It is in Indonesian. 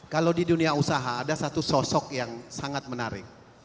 kalau di dunia usaha ada satu sosok yang sangat menarik